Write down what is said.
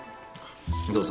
どうぞ。